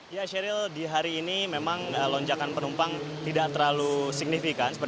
ya sheryl di hari ini memang lonjakan penumpang tidak terlalu signifikan